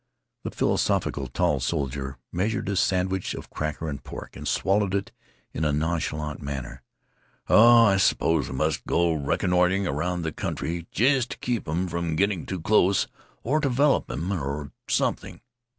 The philosophical tall soldier measured a sandwich of cracker and pork and swallowed it in a nonchalant manner. "Oh, I suppose we must go reconnoitering around the country jest to keep 'em from getting too close, or to develop 'em, or something."